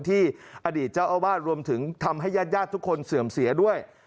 อดีตเจ้าอาวาสรวมถึงทำให้ญาติทุกคนเสื่อมเสียด้วย